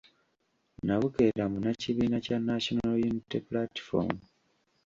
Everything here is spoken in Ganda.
Nabukeera munnakibiina kya National Unity Platform